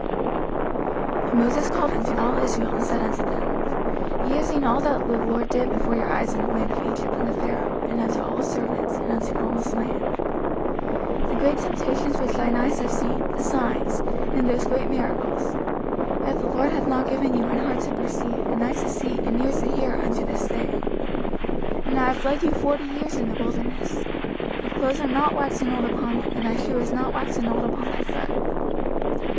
05:029:002 And Moses called unto all Israel, and said unto them, Ye have seen all that the LORD did before your eyes in the land of Egypt unto Pharaoh, and unto all his servants, and unto all his land; 05:029:003 The great temptations which thine eyes have seen, the signs, and those great miracles: 05:029:004 Yet the LORD hath not given you an heart to perceive, and eyes to see, and ears to hear, unto this day. 05:029:005 And I have led you forty years in the wilderness: your clothes are not waxen old upon you, and thy shoe is not waxen old upon thy foot.